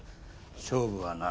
勝負はな